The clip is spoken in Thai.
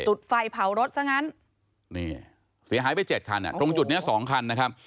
จุดไฟเผารถซะงั้นนี่เสียหายไปเจ็ดคันอ่ะตรงจุดเนี้ยสองคันนะครับ